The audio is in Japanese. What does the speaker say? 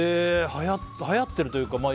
はやっているというか。